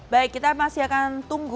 baik kita masih akan tunggu